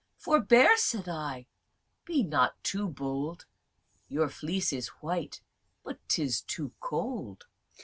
Forbear (said I) be not too bold, Your fleect is white, but 'tis too cold.